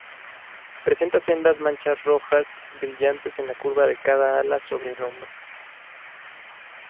Presenta sendas manchas rojas brillantes en la curva de cada ala sobre el hombro.